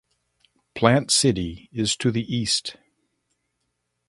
Plant City is to the east.